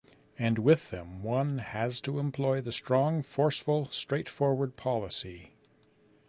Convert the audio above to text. And with them, one has to employ the strong, forceful, straightforward policy.